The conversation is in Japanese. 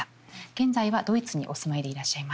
現在はドイツにお住まいでいらっしゃいます。